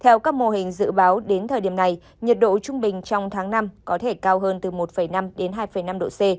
theo các mô hình dự báo đến thời điểm này nhiệt độ trung bình trong tháng năm có thể cao hơn từ một năm đến hai năm độ c